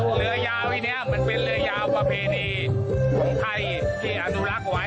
เรือยาวไอ้นี้มันเป็นเรือยาวประเพณีของไทยที่อนุรักษ์ไว้